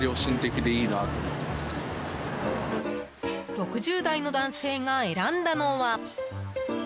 ６０代の男性が選んだのは。